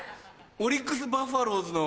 オリックス・バファローズの。